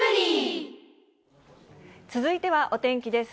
続いてはお天気です。